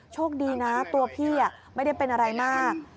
โชคดีนะตัวพี่ไม่ได้เป็นอะไรมาก